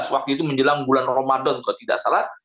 dua ribu tujuh belas waktu itu menjelang bulan ramadan kalau tidak salah